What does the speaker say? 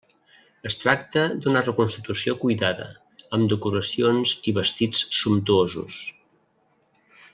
Es tracta d'una reconstitució cuidada amb decoracions i vestits sumptuosos.